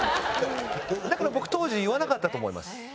だから僕当時言わなかったと思います。